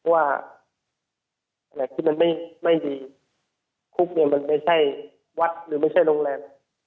ว่าอะไรที่มันไม่ดีคุกเนี่ยมันไม่ใช่วัดหรือไม่ใช่โรงแรม